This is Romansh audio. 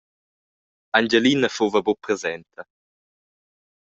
Angelina fuva buca presenta.